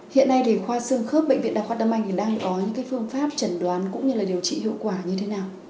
hiện nay thì khoa sương khớp bệnh viện đặc hoa tâm anh thì đang có những phương pháp chẩn đoán cũng như là điều trị hiệu quả như thế nào